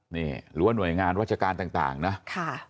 นี่หรือว่าหน่วยงานราชการต่างนะ